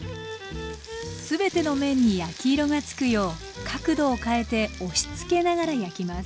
全ての面に焼き色が付くよう角度を変えて押しつけながら焼きます。